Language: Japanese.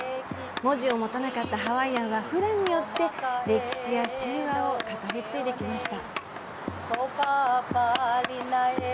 文字を持たなかったハワイアンはフラによって歴史や神話を語り継いできました。